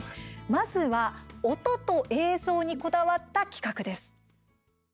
まずは、音と映像にこだわった企画です。